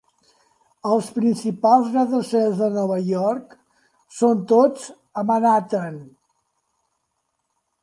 Els principals gratacels de Nova York, són tots a Manhattan.